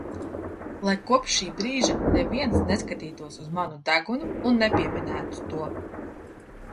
Lai kopš šī brīža neviens neskatītos uz manu degunu un nepieminētu to!